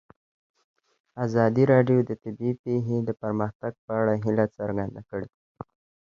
ازادي راډیو د طبیعي پېښې د پرمختګ په اړه هیله څرګنده کړې.